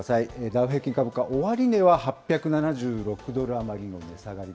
ダウ平均株価、終値は８７６ドル余りの値下がり。